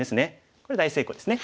これ大成功ですね。